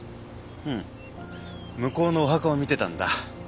うん向こうのお墓を見てたんだ。